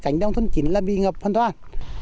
cảnh đông thôn chín là bị ngập hoàn toàn